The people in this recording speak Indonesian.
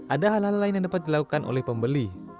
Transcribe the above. ada hal hal lain yang dapat dilakukan oleh pembeli